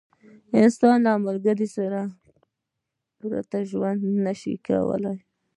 انسان له مالګې پرته ژوند نه شي کولای.